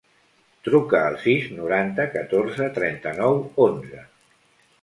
Truca al sis, noranta, catorze, trenta-nou, onze.